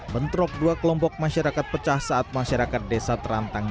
bentrok dua kelompok masyarakat pecah saat masyarakat desa terantang